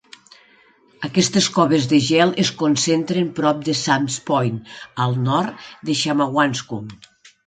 Aquestes coves de gel es concentren prop de Sam"s Point al nord de Shawangunks.